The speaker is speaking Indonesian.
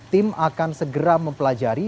tim akan segera mempelajari